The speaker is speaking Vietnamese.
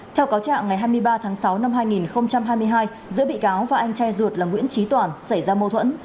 theo cáo trạng ngày hai mươi ba tháng sáu năm hai nghìn hai mươi hai giữa bị cáo và anh trai ruột là nguyễn trí toàn xảy ra mâu thuẫn